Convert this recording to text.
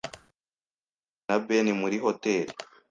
Ejo nahuye na Ben muri hoteri.